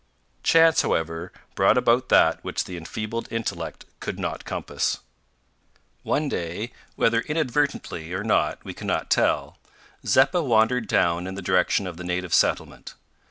Chance, however, brought about that which the enfeebled intellect could not compass. One day whether inadvertently or not we cannot tell Zeppa wandered down in the direction of the native settlement.